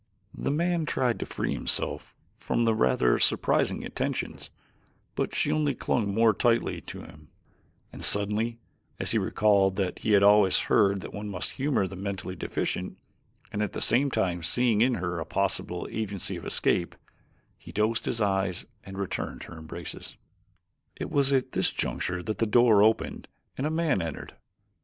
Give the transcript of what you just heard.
The man tried to free himself from her rather surprising attentions, but she only clung more tightly to him, and suddenly, as he recalled that he had always heard that one must humor the mentally deficient, and at the same time seeing in her a possible agency of escape, he closed his eyes and returned her embraces. It was at this juncture that the door opened and a man entered.